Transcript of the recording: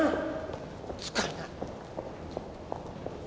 使えない。